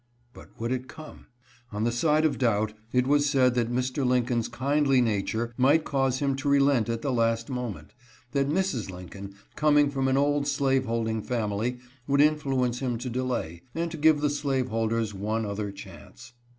But would it come? On the side of doubt, it was said that Mr. Lincoln's kindly nature might cause him to relent at the last moment ; that Mrs. Lin coln, coming from an old slaveholding family, would influence him to delay, and to give the slaveholders one other chance.